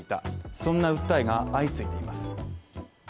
そんな訴えが相次いでいます